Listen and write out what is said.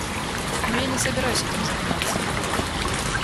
Но я не собираюсь этим заниматься.